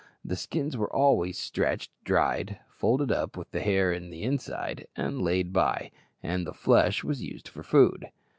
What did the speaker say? The skins were always stretched, dried, folded up with the hair in the inside, and laid by; and the flesh was used for food.